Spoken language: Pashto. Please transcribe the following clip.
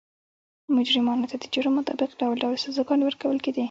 مجرمانو ته د جرم مطابق ډول ډول سزاګانې ورکول کېدې.